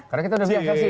karena kita udah biasa sih